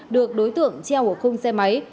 được đối tượng treo ở khung xe máy